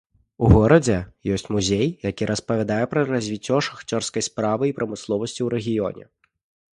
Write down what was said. У горадзе ёсць музей, які распавядае пра развіццё шахцёрскай справы і прамысловасці ў рэгіёне.